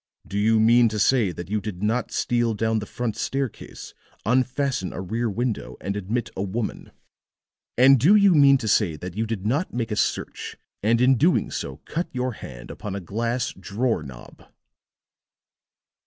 Do you mean to say that you did not steal down the front staircase, unfasten a rear window, and admit a woman? And do you mean to say that you did not make a search, and in doing so cut your hand upon a glass drawer knob?"